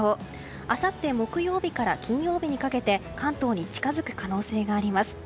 あさって木曜日から金曜日にかけて関東に近づく可能性があります。